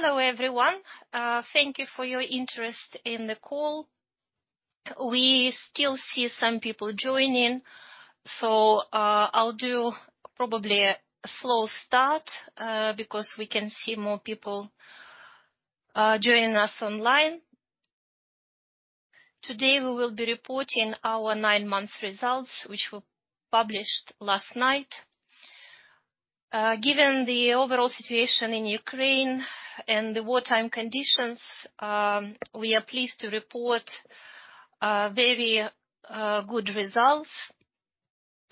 Hello, everyone. Thank you for your interest in the call. We still see some people joining, so I'll do probably a slow start, because we can see more people joining us online. Today, we will be reporting our nine months results, which were published last night. Given the overall situation in Ukraine and the wartime conditions, we are pleased to report very good results.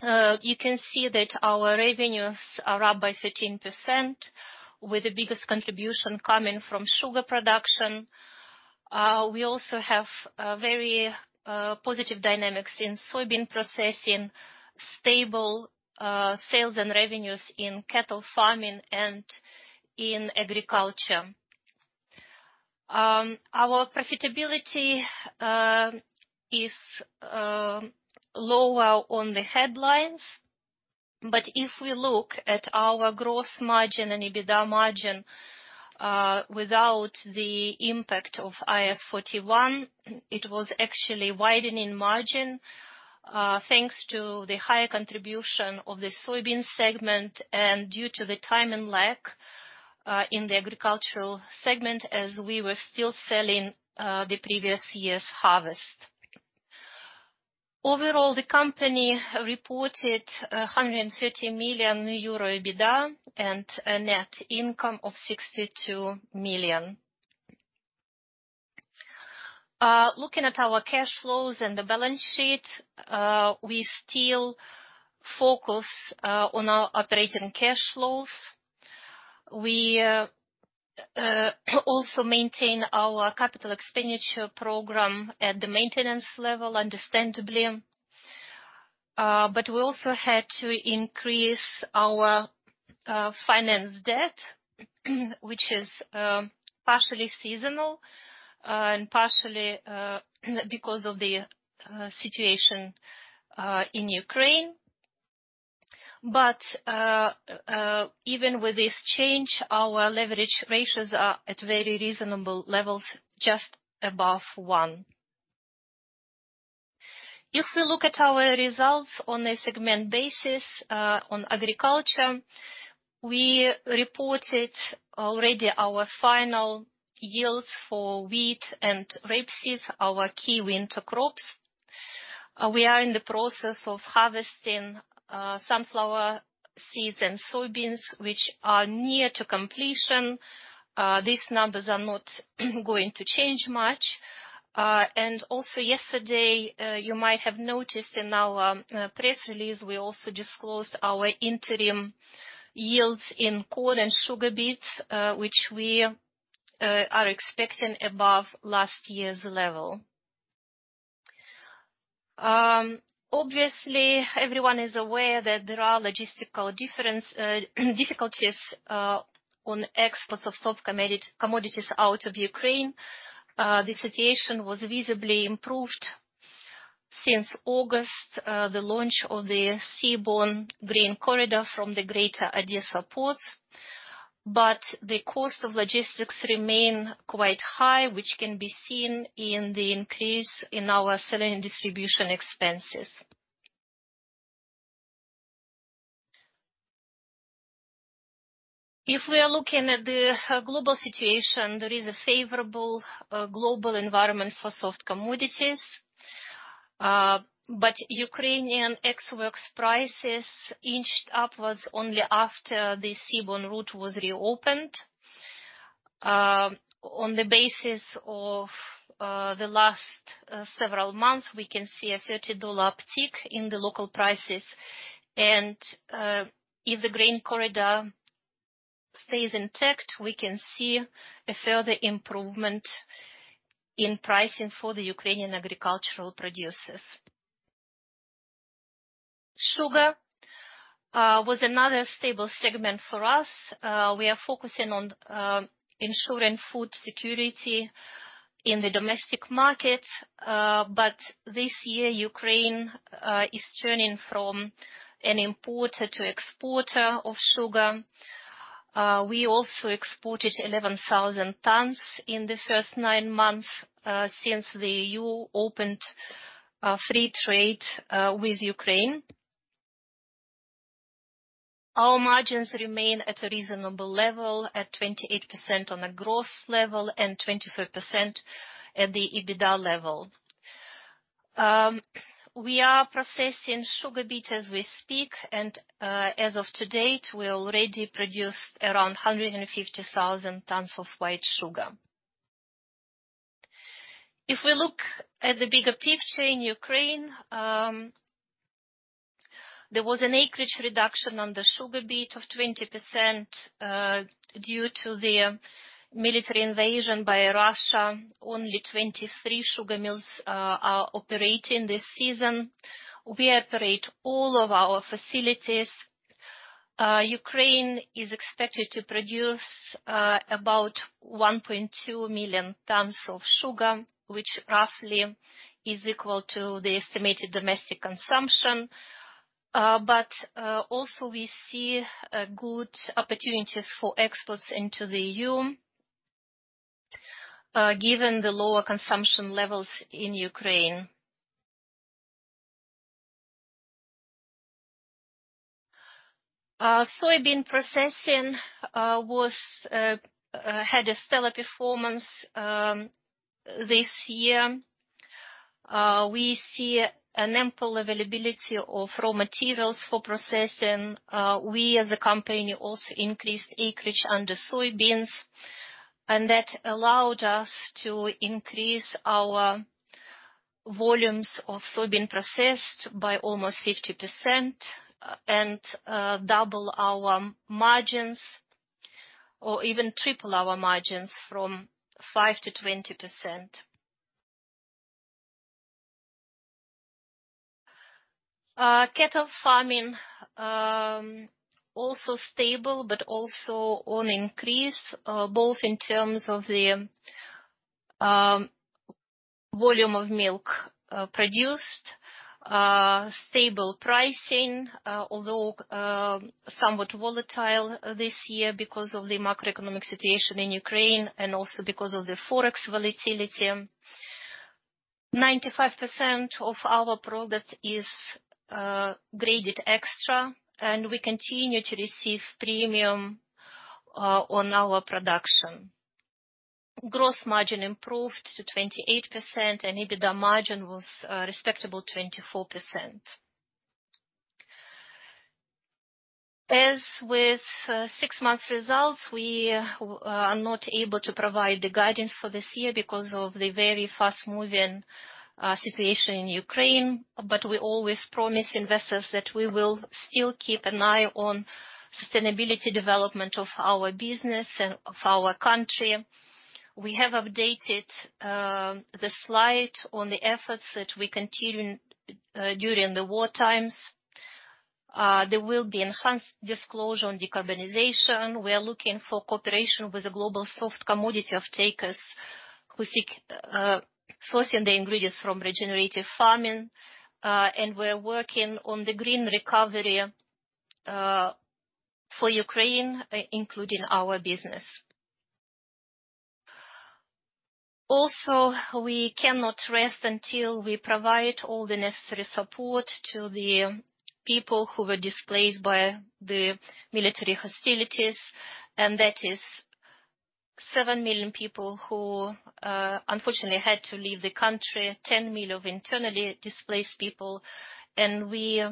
You can see that our revenues are up by 13%, with the biggest contribution coming from sugar production. We also have very positive dynamics in soybean processing, stable sales and revenues in cattle farming and in agriculture. Our profitability is lower on the headlines, but if we look at our gross margin and EBITDA margin, without the impact of IAS 41, it was actually widening margin, thanks to the higher contribution of the soybean segment and due to the timing lag in the agricultural segment as we were still selling the previous year's harvest. Overall, the company reported 130 million euro EBITDA and a net income of 62 million. Looking at our cash flows and the balance sheet, we still focus on our operating cash flows. We also maintain our capital expenditure program at the maintenance level, understandably. We also had to increase our financial debt, which is partially seasonal, and partially because of the situation in Ukraine. Even with this change, our leverage ratios are at very reasonable levels, just above one. If we look at our results on a segment basis, on agriculture, we reported already our final yields for wheat and rapeseed, our key winter crops. We are in the process of harvesting sunflower seeds and soybeans, which are near to completion. These numbers are not going to change much. Also yesterday, you might have noticed in our press release, we also disclosed our interim yields in corn and sugar beets, which we are expecting above last year's level. Obviously everyone is aware that there are logistical differences, difficulties on exports of soft commodities out of Ukraine. The situation was visibly improved since August. The launch of the seaborne Grain Corridor from the Greater Odessa ports, but the cost of logistics remain quite high, which can be seen in the increase in our selling and distribution expenses. If we are looking at the global situation, there is a favorable global environment for soft commodities. Ukrainian ex-works prices inched upwards only after the seaborne route was reopened. On the basis of the last several months, we can see a $30 uptick in the local prices. If the Grain Corridor stays intact, we can see a further improvement in pricing for the Ukrainian agricultural producers. Sugar was another stable segment for us. We are focusing on ensuring food security in the domestic market. This year, Ukraine is turning from an importer to exporter of sugar. We also exported 11,000 tons in the first nine months since the EU opened free trade with Ukraine. Our margins remain at a reasonable level, at 28% on a gross level and 24% at the EBITDA level. We are processing sugar beet as we speak, and as of today, we already produced around 150,000 tons of white sugar. If we look at the bigger picture in Ukraine, there was an acreage reduction on the sugar beet of 20%, due to the military invasion by Russia. Only 23 sugar mills are operating this season. We operate all of our facilities. Ukraine is expected to produce about 1.2 million tons of sugar, which roughly is equal to the estimated domestic consumption. Also we see good opportunities for exports into the EU given the lower consumption levels in Ukraine. Soybean processing had a stellar performance this year. We see an ample availability of raw materials for processing. We as a company also increased acreage under soybeans, and that allowed us to increase our volumes of soybean processed by almost 50% and double our margins, or even triple our margins from 5%-20%. Cattle farming also stable but also on increase both in terms of the volume of milk produced. Stable pricing, although somewhat volatile this year because of the macroeconomic situation in Ukraine and also because of the Forex volatility. 95% of our product is graded extra, and we continue to receive premium on our production. Gross margin improved to 28%, and EBITDA margin was a respectable 24%. As with six months results, we are not able to provide the guidance for this year because of the very fast-moving situation in Ukraine. We always promise investors that we will still keep an eye on sustainable development of our business and of our country. We have updated the slide on the efforts that we continue during the war times. There will be enhanced disclosure on decarbonization. We are looking for cooperation with the global soft commodity offtakers who seek sourcing the ingredients from regenerative farming. We're working on the green recovery for Ukraine, including our business. Also, we cannot rest until we provide all the necessary support to the people who were displaced by the military hostilities, and that is 7 million people who unfortunately had to leave the country, 10 million internally displaced people. We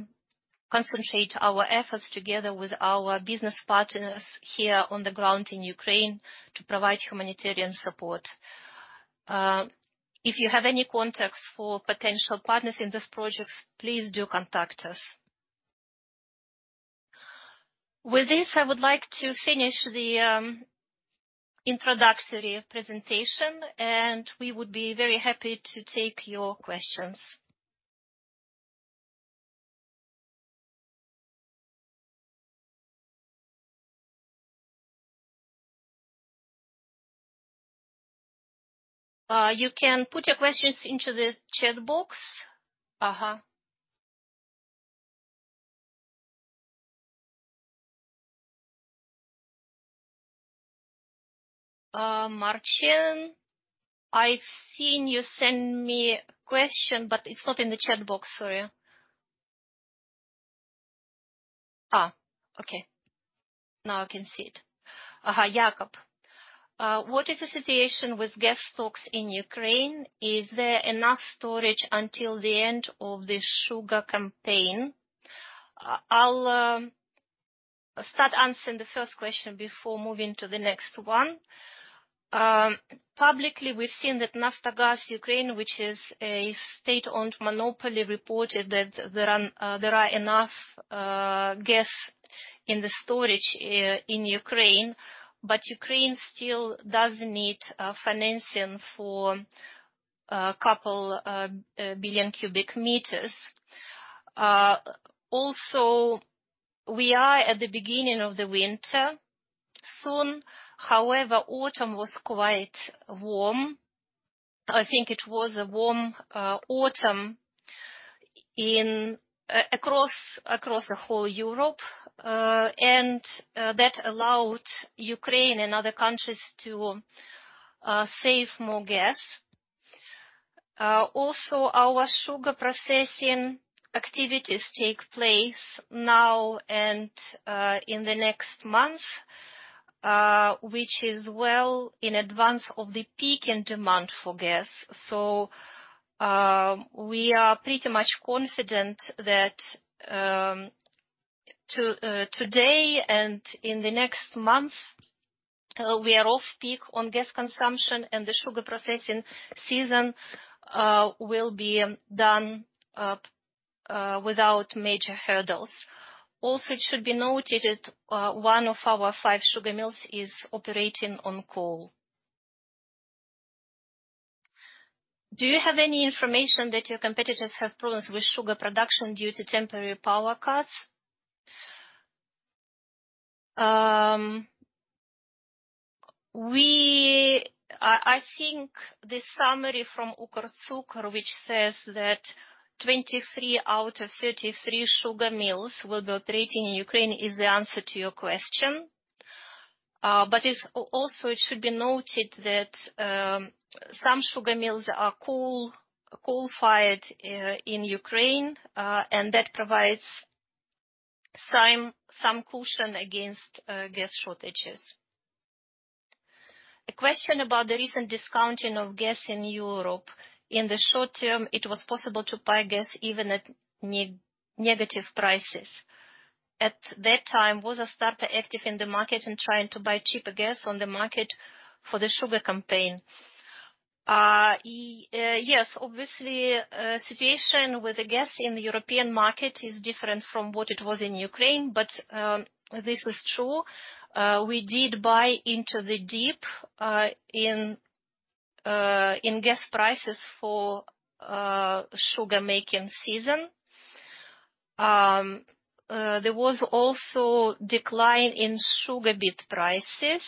concentrate our efforts together with our business partners here on the ground in Ukraine to provide humanitarian support. If you have any contacts for potential partners in these projects, please do contact us. With this, I would like to finish the introductory presentation, and we would be very happy to take your questions. You can put your questions into the chat box. Martin, I've seen you send me a question, but it's not in the chat box. Sorry. Okay. Now I can see it. Jakub. What is the situation with gas stocks in Ukraine? Is there enough storage until the end of the sugar campaign? I'll start answering the first question before moving to the next one. Publicly, we've seen that Naftogaz of Ukraine, which is a state-owned monopoly, reported that there are enough gas in the storage in Ukraine, but Ukraine still does need financing for a couple billion cubic meters. Also, we are at the beginning of the winter soon. However, autumn was quite warm. I think it was a warm autumn across the whole Europe. That allowed Ukraine and other countries to save more gas. Also, our sugar processing activities take place now and in the next month, which is well in advance of the peak in demand for gas. We are pretty much confident that today and in the next month, we are off-peak on gas consumption and the sugar processing season will be done without major hurdles. Also, it should be noted that one of our five sugar mills is operating on coal. Do you have any information that your competitors have problems with sugar production due to temporary power cuts? I think the summary from Ukrtsukor, which says that 23 out of 33 sugar mills will be operating in Ukraine is the answer to your question. It should also be noted that some sugar mills are coal-fired in Ukraine and that provides some cushion against gas shortages. A question about the recent discounting of gas in Europe. In the short term, it was possible to buy gas even at negative prices. At that time, was Astarta active in the market in trying to buy cheaper gas on the market for the sugar campaign? Yes. Obviously, situation with the gas in the European market is different from what it was in Ukraine, but this is true. We did buy into the dip in gas prices for sugar-making season. There was also decline in sugar beet prices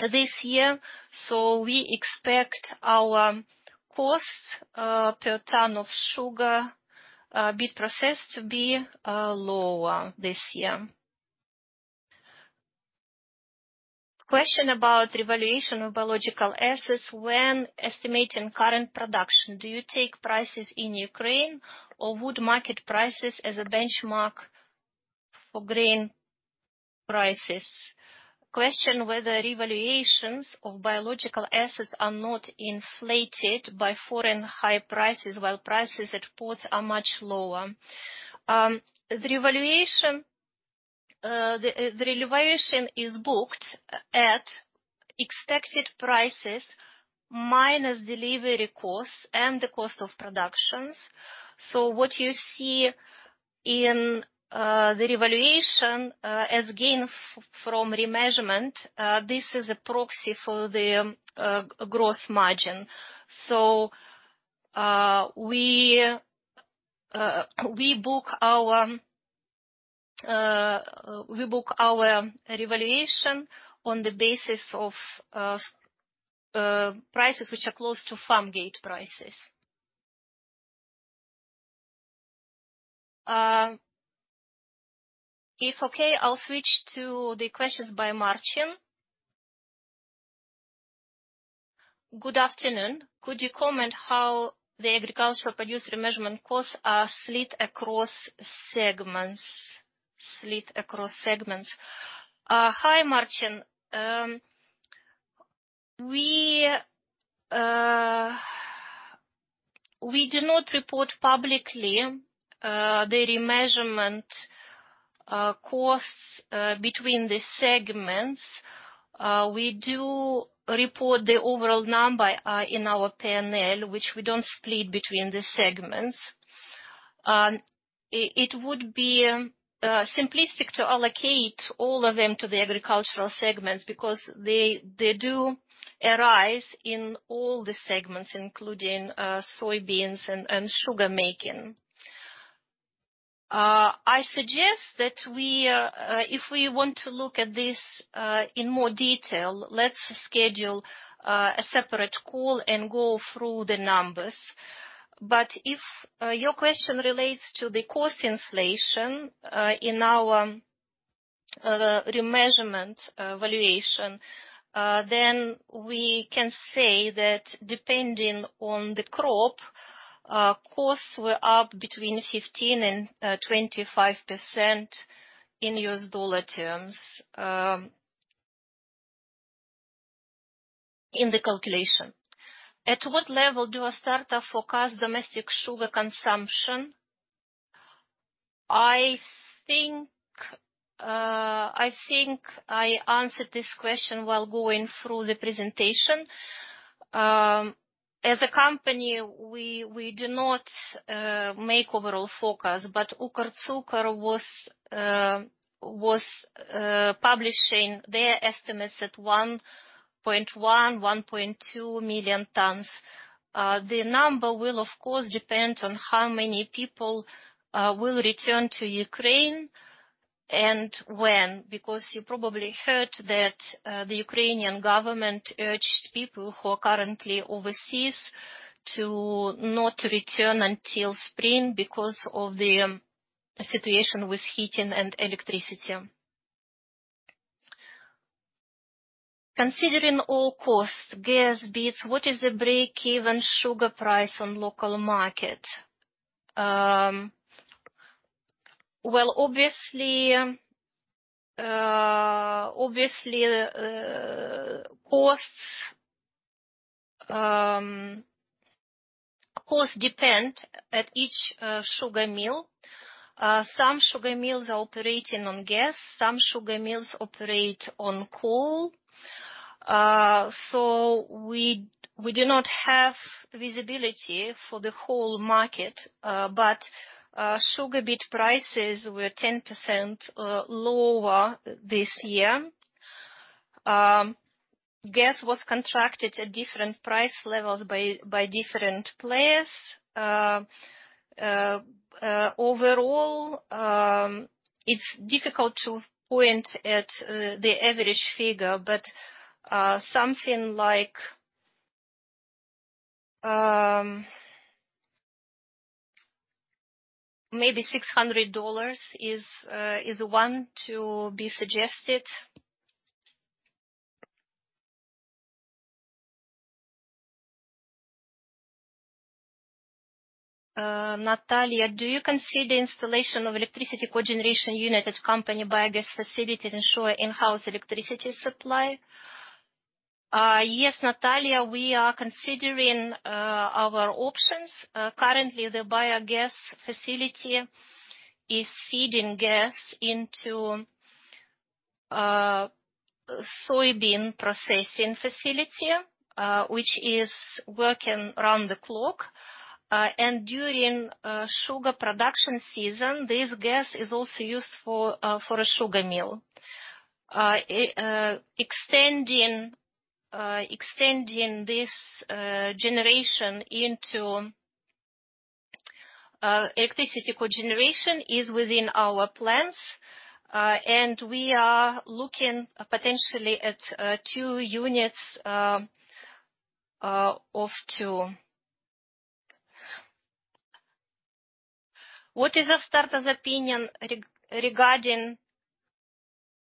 this year, so we expect our costs per ton of sugar beet process to be lower this year. Question about revaluation of biological assets. When estimating current production, do you take prices in Ukraine or world market prices as a benchmark for grain prices? Question whether revaluations of biological assets are not inflated by foreign high prices, while prices at ports are much lower. The revaluation is booked at expected prices minus delivery costs and the cost of productions. What you see in the revaluation as gain from remeasurement, this is a proxy for the gross margin. We book our revaluation on the basis of prices which are close to farm gate prices. Okay, I'll switch to the questions by Martin. Good afternoon. Could you comment how the agricultural produce remeasurement costs are split across segments? Hi, Martin. We do not report publicly the remeasurement costs between the segments. We do report the overall number in our P&L, which we don't split between the segments. It would be simplistic to allocate all of them to the agricultural segments because they do arise in all the segments, including soybeans and sugar making. I suggest that, if we want to look at this in more detail, let's schedule a separate call and go through the numbers. If your question relates to the cost inflation in our revaluation, then we can say that depending on the crop, costs were up between 15% and 25% in US dollar terms in the calculation. At what level do Astarta forecast domestic sugar consumption? I think I answered this question while going through the presentation. As a company, we do not make overall forecast, but Ukrsugar was publishing their estimates at 1.1 million-1.2 million tons. The number will of course depend on how many people will return to Ukraine and when. Because you probably heard that the Ukrainian government urged people who are currently overseas to not return until spring because of the situation with heating and electricity. Considering all costs, gas, beets, what is the break-even sugar price on local market? Well, obviously, the costs depend on each sugar mill. Some sugar mills are operating on gas, some sugar mills operate on coal. We do not have visibility for the whole market. Sugar beet prices were 10% lower this year. Gas was contracted at different price levels by different players. Overall, it's difficult to point to the average figure, but something like maybe $600 is one to be suggested. Natalia, do you consider installation of electricity cogeneration unit at company biogas facility to ensure in-house electricity supply? Yes, Natalia, we are considering other options. Currently the biogas facility is feeding gas into soybean processing facility, which is working around the clock. During sugar production season, this gas is also used for a sugar mill. Extending this generation into electricity cogeneration is within our plans, and we are looking potentially at two units of two. What is Astarta's opinion regarding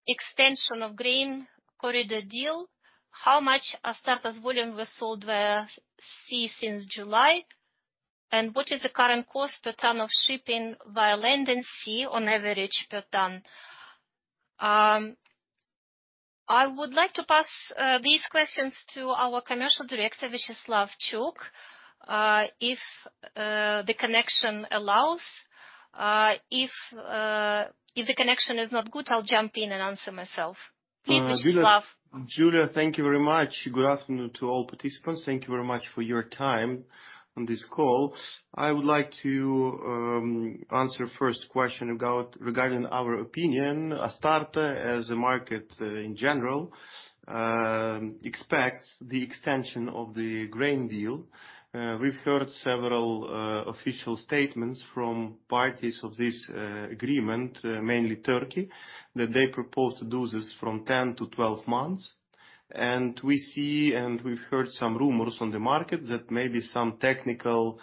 extension of Grain Corridor deal? How much Astarta's volume was sold via sea since July? What is the current cost per ton of shipping via land and sea on average per ton? I would like to pass these questions to our Commercial Director, Viacheslav Chuk, if the connection allows. If the connection is not good, I'll jump in and answer myself. Please, Viacheslav. Julia, thank you very much. Good afternoon to all participants. Thank you very much for your time on this call. I would like to answer first question regarding our opinion. Astarta, as a market, in general, expects the extension of the grain deal. We've heard several official statements from parties to this agreement, mainly Turkey, that they propose to do this from 10-12 months. We see and we've heard some rumors on the market that maybe some technical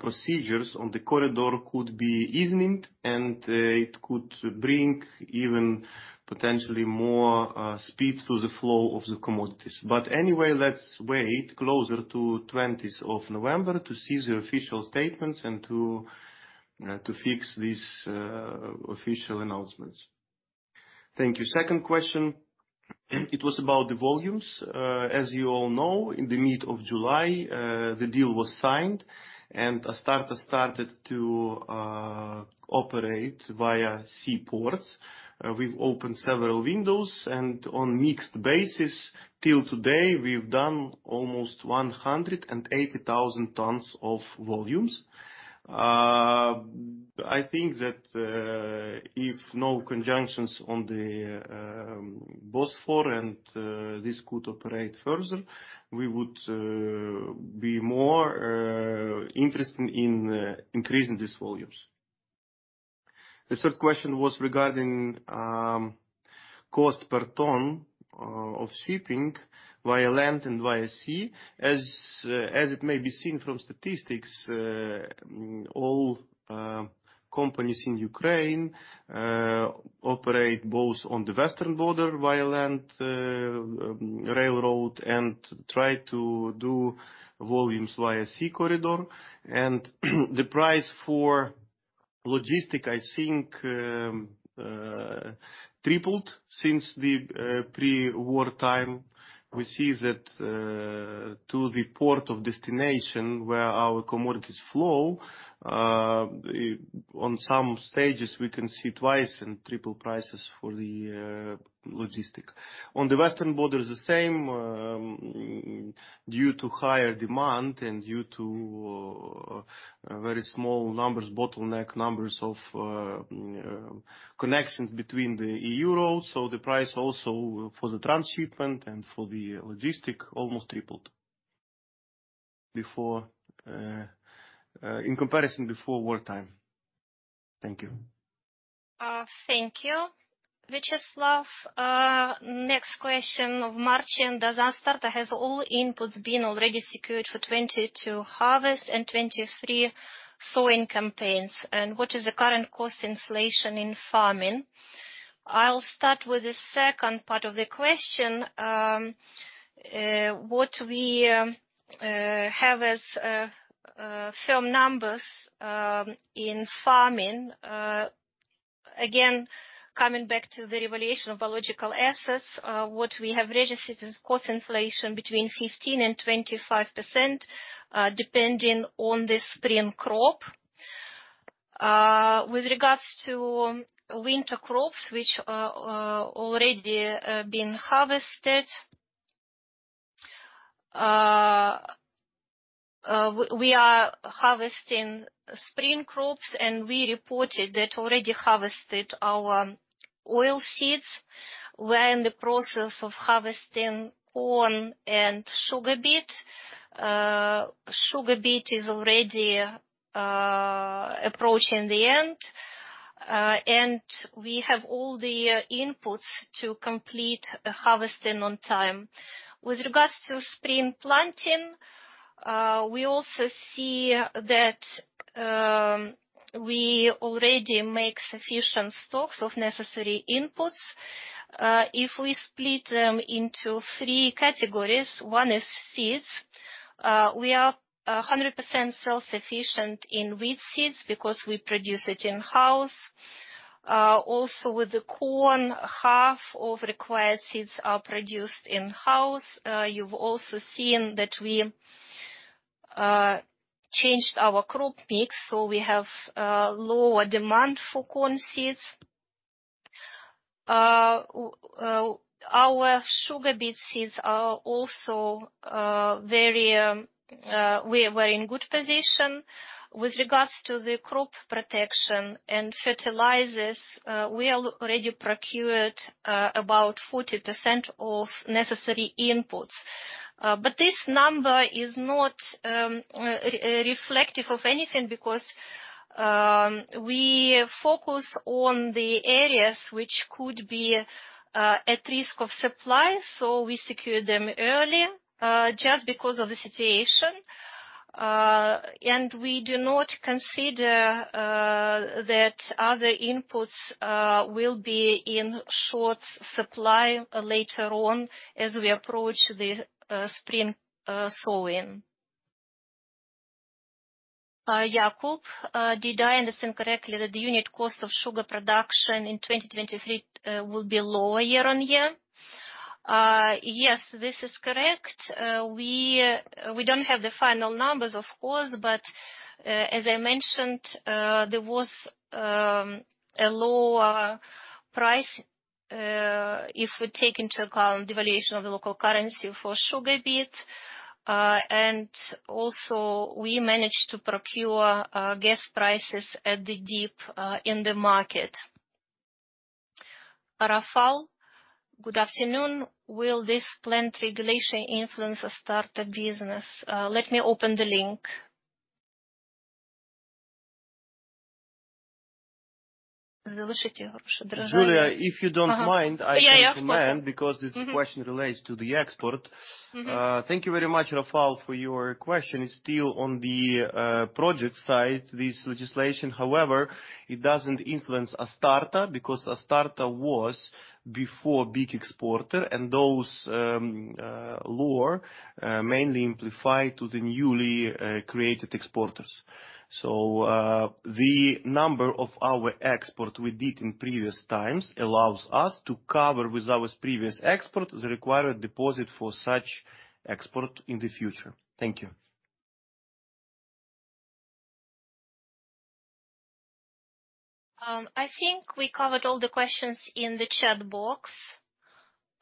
procedures on the corridor could be loosened, and it could bring even potentially more speed to the flow of the commodities. Anyway, let's wait closer to twentieth of November to see the official statements and to fix these official announcements. Thank you. Second question, it was about the volumes. As you all know, in the mid of July, the deal was signed and Astarta started to operate via sea ports. We've opened several windows and on mixed basis till today we've done almost 180,000 tons of volumes. I think that if no congestion on the Bosphorus and this could operate further, we would be more interested in increasing these volumes. The third question was regarding cost per ton of shipping via land and via sea. As it may be seen from statistics, all companies in Ukraine operate both on the western border via land railroad and try to do volumes via sea corridor. The price for logistics, I think, tripled since the pre-war time. We see that, to the port of destination where our commodities flow, on some stages, we can see twice and triple prices for the logistics. On the western border, the same, due to higher demand and due to very small numbers, bottleneck numbers of connections between the EU. The price also for the transshipment and for the logistics almost tripled before, in comparison before wartime. Thank you. Thank you. Viacheslav Chuk, next question of Martin. Does Astarta has all inputs been already secured for 2022 harvest and 2023 sowing campaigns? And what is the current cost inflation in farming? I'll start with the second part of the question. What we have as firm numbers in farming. Again, coming back to the revaluation of biological assets, what we have registered is cost inflation between 15% and 25%, depending on the spring crop. With regards to winter crops, which are already been harvested. We are harvesting spring crops, and we reported that already harvested our oil seeds. We're in the process of harvesting corn and sugar beet. Sugar beet is already approaching the end, and we have all the inputs to complete the harvesting on time. With regards to spring planting, we also see that we already make sufficient stocks of necessary inputs. If we split them into three categories, one is seeds. We are 100% self-sufficient in wheat seeds because we produce it in-house. Also with the corn, half of required seeds are produced in-house. You've also seen that we changed our crop mix, so we have lower demand for corn seeds. We're in good position. With regards to the crop protection and fertilizers, we already procured about 40% of necessary inputs. This number is not reflective of anything because we focus on the areas which could be at risk of supply, so we secure them early just because of the situation. We do not consider that other inputs will be in short supply later on as we approach the spring sowing. Jakub, did I understand correctly that the unit cost of sugar production in 2023 will be lower year-on-year? Yes, this is correct. We don't have the final numbers of course, but as I mentioned, there was a lower price if we take into account the valuation of the local currency for sugar beet. Also we managed to procure gas prices at the dip in the market. Rafal, good afternoon. Will this planned regulation influence Astarta business? Let me open the link. Julia, if you don't mind, I can comment because this question relates to the export. Thank you very much, Rafal, for your question. It's still on the project side, this legislation. However, it doesn't influence Astarta because Astarta was a big exporter before, and those laws mainly apply to the newly created exporters. The number of our export we did in previous times allows us to cover with our previous export the required deposit for such export in the future. Thank you. I think we covered all the questions in the chat box,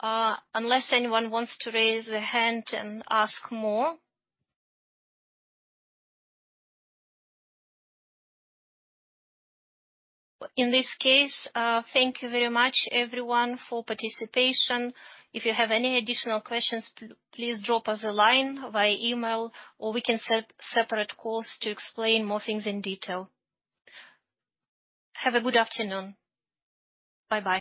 unless anyone wants to raise their hand and ask more. In this case, thank you very much everyone for participation. If you have any additional questions, please drop us a line via email or we can set separate calls to explain more things in detail. Have a good afternoon. Bye-bye.